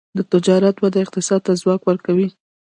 د تجارت وده اقتصاد ته ځواک ورکوي.